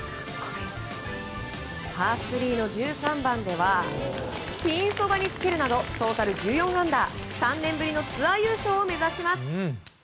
パー３の１３番ではピンそばにつけるなどトータル１４アンダー３年ぶりのツアー優勝を目指します。